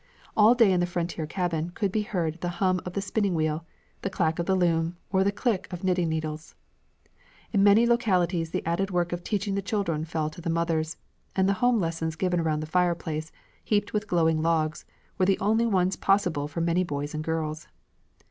All day in the frontier cabin could be heard the hum of the spinning wheel, the clack of the loom, or the click of knitting needles. In many localities the added work of teaching the children fell to the mothers, and the home lessons given around the fireplace, heaped with glowing logs, were the only ones possible for many boys and girls.